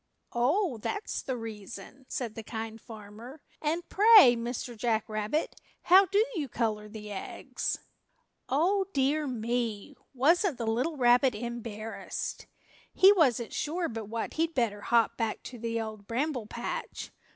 "Oh, that's the reason?" said the Kind Farmer. "And pray, Mr. Jack Rabbit, how do you color the eggs?" Oh, dear me! Wasn't the little rabbit embarrassed! He wasn't sure but what he'd better hop back to the Old Bramble Patch.